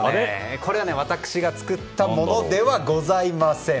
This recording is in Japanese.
これは私が作ったものではございません。